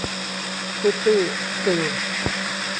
ซิตี้ สตีล